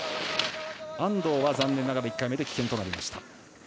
安藤は残念ながら１回目で棄権となりました。